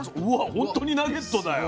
本当にナゲットだよ。